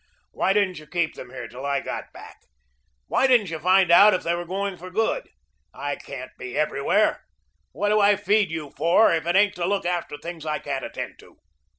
"Why didn't you keep them here till I got back? Why didn't you find out if they were going for good? I can't be everywhere. What do I feed you for if it ain't to look after things I can't attend to?"